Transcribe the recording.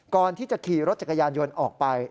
ก่อนที่จะขี่รถจักรยานยนต์ออกไป